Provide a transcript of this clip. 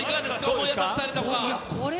思い当たったりとか。